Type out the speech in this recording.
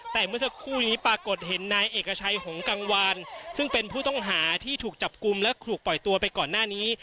แต่เมื่อสักครู่นี้ปรากฏเห็นนายเอกชัยหงกังวานซึ่งเป็นผู้ต้องหาที่ถูกจับกลุ่มและถูกปล่อยตัวไปก่อนหน้านี้